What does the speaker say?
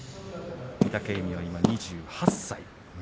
御嶽海が今２８歳。